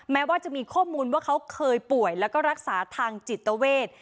แม้ว่าจะมีข้อมูลว่าเขาเคยป่วยแล้วก็รักษาทางจิตเวท